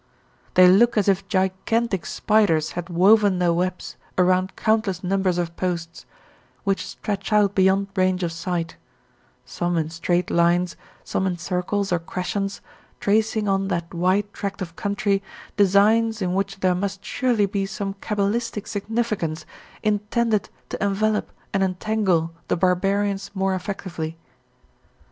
They look as if gigantic spiders had woven their webs around countless numbers of posts, which stretch out beyond range of sight, some in straight lines, some in circles or crescents, tracing on that wide tract of country designs in which there must surely be some cabalistic significance intended to envelop and entangle the barbarians more effectively.